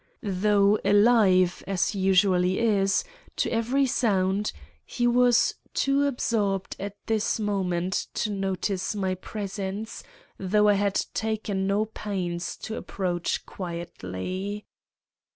"Though alive, as he usually is, to every sound, he was too absorbed at this moment to notice my presence though I had taken no pains to approach quietly.